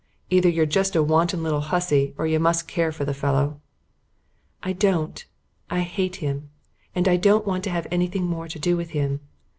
"Either you're just a wanton little hussy or you must care for the fellow." "I don't. I hate him. And I don't want to have anything more to do with him."